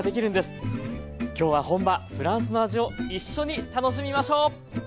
今日は本場フランスの味を一緒に楽しみましょう！